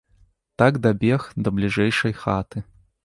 Так дабег да бліжэйшай хаты.